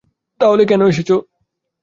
তাহলে কেন এসেছো?